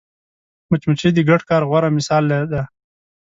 مچمچۍ د ګډ کار غوره مثال ده